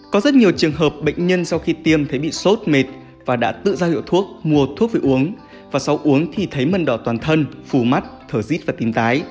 có rất nhiều trường hợp bệnh nhân sau khi tiêm thấy bị sốt mệt và đã tự ra hiệu thuốc mua thuốc về uống và sau uống thì thấy mần đỏ toàn thân phủ mắt thở dít và tím tái